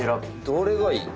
どれがいい？